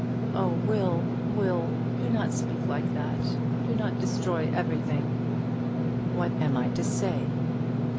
"Oh, Will, Will, do not speak like that. Do not destroy everything." "What am I to say?"